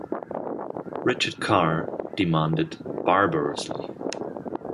Richard Carr demanded barbarously.